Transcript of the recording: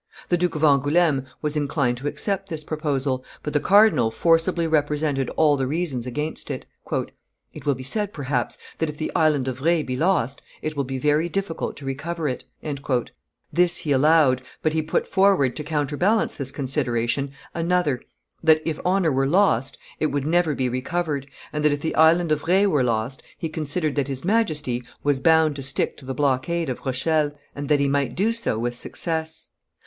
The Duke of Angouleme was inclined to accept this proposal, but the cardinal forcibly represented all the reasons against it: "It will be said, perhaps, that if the Island of Re be lost, it will be very difficult to recover it;" this he allowed, but he put forward, to counterbalance this consideration, another, that, if honor were lost, it would never be recovered, and that, if the Island of Re were lost, he considered that his Majesty was bound to stick to the blockade of Rochelle, and that he might do so with success.